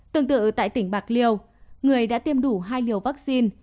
tương tự tại tỉnh bạc liêu người đã tiêm đủ hai liều vaccine